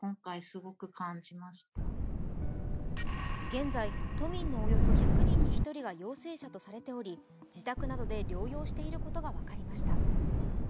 現在、都民のおよそ１００人に１人は陽性者とされており自宅などで療養していることが分かりました。